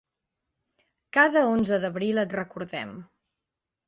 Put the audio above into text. Cada onze d’abril et recordem.